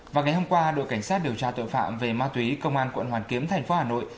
và ngày hôm qua đội cảnh sát điều tra tội phạm về ma túy công an quận hoàn kiếm thành phố hà nội